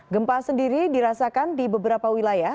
gempa sendiri dirasakan di beberapa wilayah